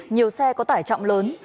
nhiều xe có tải trọng lớn